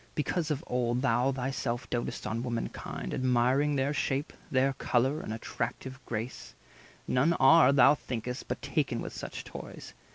Because of old Thou thyself doat'st on womankind, admiring Their shape, their colour, and attractive grace, None are, thou think'st, but taken with such toys.